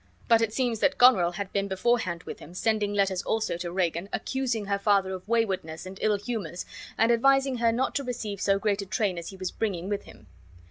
But it seems that Goneril had been beforehand with him, sending letters also to Regan, accusing her father of waywardness and ill humors, and advising her not to receive so great a train as he was bringing with him.